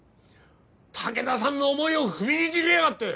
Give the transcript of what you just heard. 武田さんの思いを踏みにじりやがって！